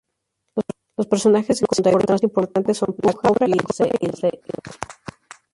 Los personajes secundarios más importantes son Punjab, la cobra y el Sr.